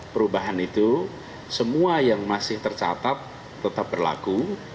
perubahan itu semua yang masih tercatat tetap berlaku